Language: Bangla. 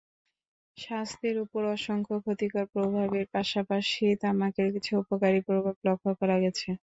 স্বাস্থ্যের উপর অসংখ্য ক্ষতিকর প্রভাবের পাশাপাশি তামাকের কিছু উপকারী প্রভাব লক্ষ্য করা গেছে।